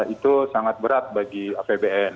itu sangat berat bagi apbn